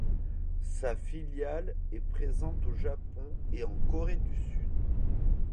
Sa filiale est présente au Japon et en Corée du Sud.